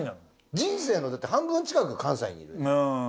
人生の半分近く関西にいる。